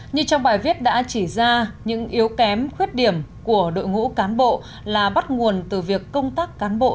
như trong bài viết đã chỉ ra những yếu kém khuyết điểm của đội ngũ cán bộ là bắt nguồn từ việc công tác cán bộ